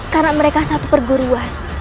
karena mereka satu perguruan